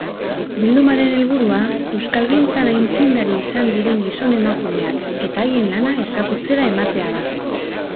Bildumaren helburua euskalgintzan aitzindari izan diren gizon-emakumeak eta haien lana ezagutzera ematea da.